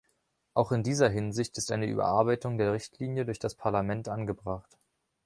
Auch in dieser Hinsicht ist eine Überarbeitung der Richtlinie durch das Parlament angebracht.